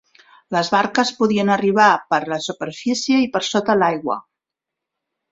Les barques podrien arribar per la superfície i per sota l'aigua.